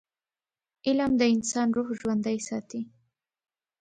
علم د انسان روح ژوندي ساتي.